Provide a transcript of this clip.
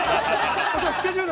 スケジュール。